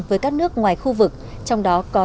với các nước ngoài khu vực trong đó có